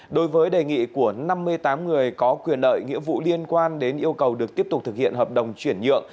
đối với đề nghị của năm mươi tám người có quyền lợi nghĩa vụ liên quan đến yêu cầu được tiếp tục thực hiện hợp đồng chuyển nhượng